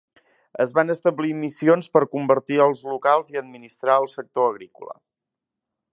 Es van establir missions per convertir als locals y administrar el sector agrícola.